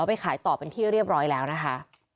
ไปขายต่อเป็นที่เรียบร้อยแล้วนะคะ